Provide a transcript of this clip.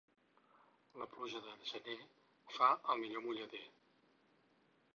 La pluja de gener fa el millor mullader.